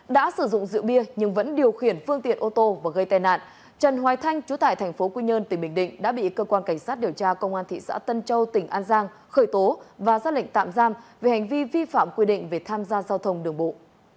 đã sử dụng rượu bia nhưng vẫn điều khiển phương tiện ô tô và gây tai nạn trần hoài thanh chú tại thành phố quy nhơn tỉnh bình định đã bị cơ quan cảnh sát điều tra công an thị xã tân châu tỉnh an giang khởi tố và ra lệnh tạm giam về hành vi vi phạm quy định về tham gia giao thông đường bộ